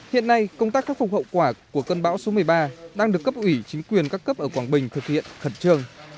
hiện nay công tác khắc phục hậu quả của cơn bão số một mươi ba đang được cấp ủy chính quyền các cấp ở quảng bình thực hiện khẩn trương